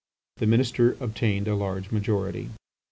The Minister obtained a large majority.